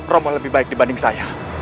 romo lebih baik dibanding saya